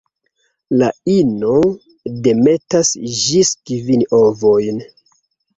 La ino demetas ĝis kvin ovojn.